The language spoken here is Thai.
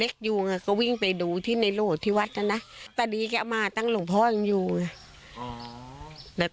ครับ